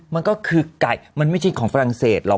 มันก็คือไก่มันไม่ใช่ของฝรั่งเศสหรอก